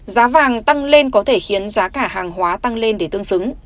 giá vàng tăng lên có thể khiến giá cả hàng hóa tăng lên để tương xứng